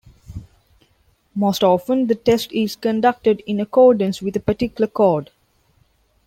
Most often, the test is conducted in accordance with a particular code.